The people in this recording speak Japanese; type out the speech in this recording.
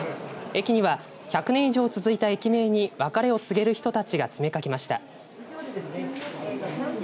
駅には１００年以上続いた駅名に別れを告げる人たちが詰めかけました。